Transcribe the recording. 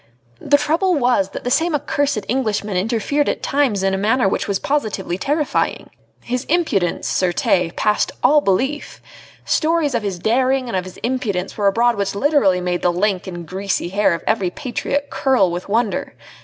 The trouble was, that that same accursed Englishman interfered at times in a manner which was positively terrifying. His impudence, certes, passed all belief. Stories of his daring and of his impudence were abroad which literally made the lank and greasy hair of every patriot curl with wonder.